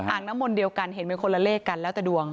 งน้ำมนต์เดียวกันเห็นเป็นคนละเลขกันแล้วแต่ดวง